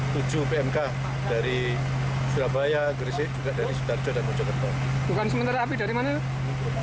tujuh pmk dari surabaya gresik juga dari surabaya